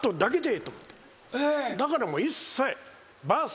だからもう一切。